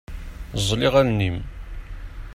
Ẓẓel iɣallen-im.